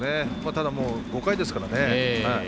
ただ、もう、５回ですからね。